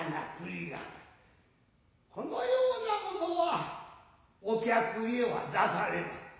このようなものはお客へは出されまい。